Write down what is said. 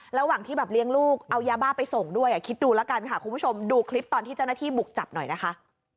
ระหว่างที่แบบเลี้ยงลูกเอายาบ้าไปส่งด้วยคิดดูแล้วกันค่ะคุณผู้ชมดูคลิปตอนที่เจ้าหน้าที่บุกจับหน่อยนะคะ